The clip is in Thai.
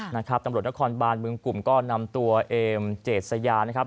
นะครับตำรวจนครบานบึงกลุ่มก็นำตัวเอ็มเจดสยานะครับ